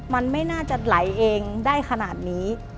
มันไม่น่าจะไหลเองได้ขนาดนี้